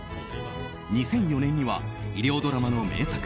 ２００４年には医療ドラマの名作